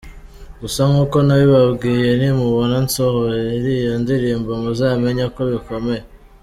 gusa nk’uko nabibabwiye nimubona nsohoye iriya ndirimbo muzamenye ko bikomeye.